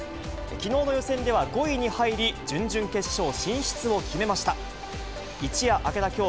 きのうの予選では５位に入り、準々決勝進出を決めました。